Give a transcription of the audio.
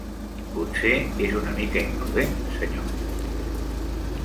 Potser és una mica imprudent, senyor.